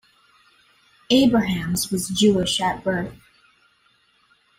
Abrahams was Jewish at birth.